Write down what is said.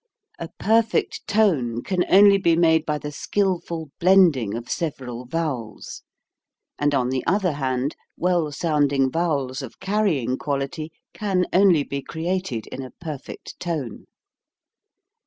A perfect tone can only be made by the skilful blending of several vowels; and on the other hand well sounding vowels of carrying quality can only be created in a perfect tone.